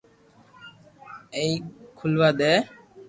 ايني کلوا دي